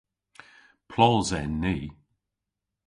Plos en ni.